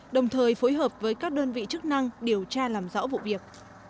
đồng thời phối hợp với các đơn vị chức năng điều tra làm rõ vụ việc